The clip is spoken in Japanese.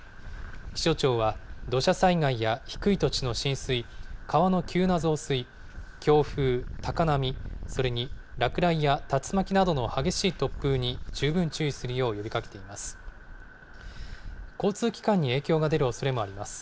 気象庁は土砂災害や低い土地の浸水、川の急な増水、強風、高波、それに落雷や竜巻などの激しい突風に十分注意するよう呼びかけています。